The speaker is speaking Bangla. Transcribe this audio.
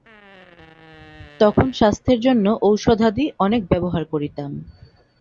তখন স্বাস্থ্যের জন্য ঔষধাদি অনেক ব্যবহার করিতাম।